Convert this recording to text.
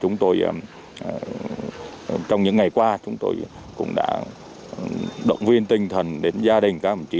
chúng tôi trong những ngày qua chúng tôi cũng đã động viên tinh thần đến gia đình các đồng chí